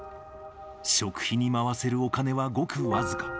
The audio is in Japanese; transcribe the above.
食費に回せるお金はごく僅か。